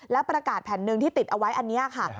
แล้วประกาศแผ่นหนึ่งที่ติดเอาไว้อันนี้ค่ะ